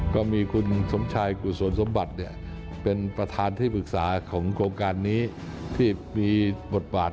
ก็มีคุณสมชายกุศลสมบัติเป็นประธานที่ปรึกษาของโครงการนี้ที่มีบทบาท